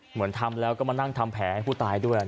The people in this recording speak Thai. เหมือนทำแล้วก็มานั่งทำแผลให้ผู้ตายด้วย